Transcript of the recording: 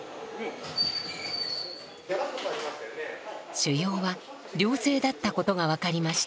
腫ようは良性だったことが分かりました。